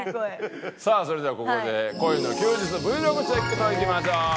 さあそれではここで恋の休日Ｖｌｏｇチェックといきましょう。